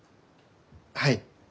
はい。